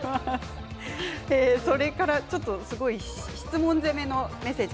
それから質問攻めのメッセージ